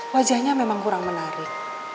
wajahnya memang kurang menarik